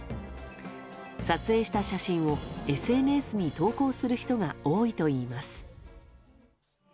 撮影した写真をＳＮＳに投稿する人が多いといいます。